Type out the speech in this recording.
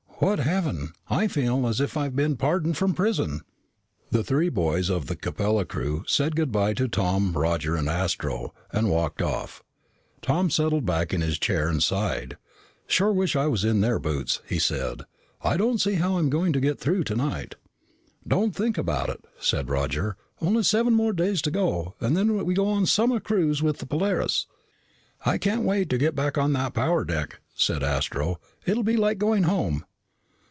"What heaven! I feel as if I've been pardoned from prison." The three boys of the Capella crew said good by to Tom, Roger, and Astro, and walked off. Tom settled back in his chair and sighed. "Sure wish I was in their boots," he said. "I don't see how I'm going to get through tonight." "Don't think about it," said Roger. "Only seven more days to go, and then we go on summer cruise with the Polaris." "I can't wait to get back on that power deck," said Astro. "It'll be like going home."